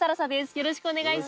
よろしくお願いします。